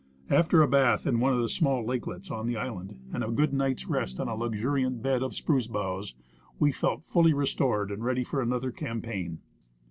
After a bath in one of the small lakelets on the island and a good night's rest on a luxuriant bed of spruce boughs, we felt fully restored and ready for another campaign.